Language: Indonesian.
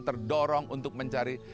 terdorong untuk mencari